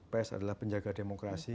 pers adalah penjaga demokrasi